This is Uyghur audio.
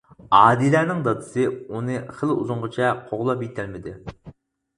ئادىلەنىڭ دادىسى ئۇنى خېلى ئۇزۇنغىچە قوغلاپ يىتەلمىدى.